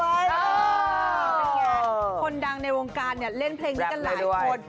โอ้ยเป็นไงคนดังในวงการเนี่ยเล่นเพลงนี้ก็หลายคน